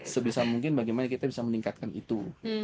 sebisa mungkin bagaimana kita bisa meningkatkan itu